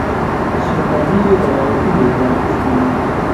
شفاهي روایتونه یې را اخیستي دي.